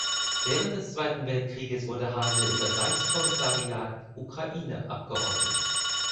Während des Zweiten Weltkrieges wurde Haase in das Reichskommissariat Ukraine abgeordnet.